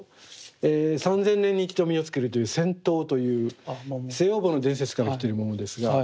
３，０００年に１度実をつけるという仙桃という西王母の伝説から来てるものですが。